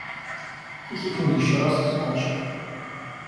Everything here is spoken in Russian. Хихикнул еще раз — и замолчал.